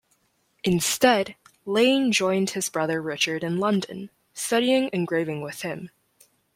Instead, Lane joined his brother Richard in London, studying engraving with him.